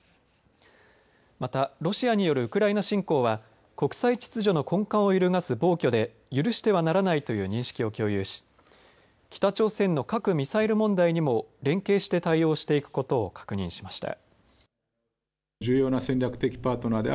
また、ロシアによるウクライナ侵攻は国際秩序の根幹を揺るがす暴挙で許してはならないという認識を共有し北朝鮮の核・ミサイル問題にも連携して対応していくことを確認しました。